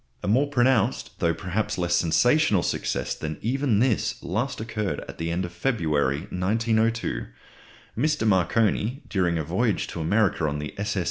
_] A more pronounced, though perhaps less sensational, success than even this last occurred at the end of February, 1902. Mr. Marconi, during a voyage to America on the s.s.